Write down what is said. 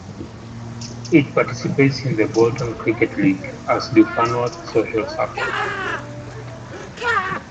It participates in the Bolton Cricket League, as do Farnworth Social Circle.